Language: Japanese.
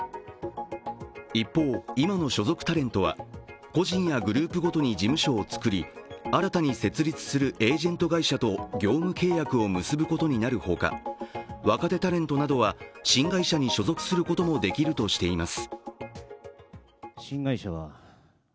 一方、今の所属タレントは個人やグループごとに事務所を作り新たに設立するエージェント会社と業務契約を結ぶことになるほか、若手タレントなどは新会社に所属することができるとしています。